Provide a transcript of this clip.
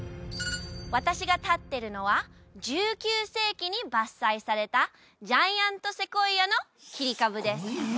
私が立ってるのは１９世紀に伐採されたジャイアントセコイアの切り株です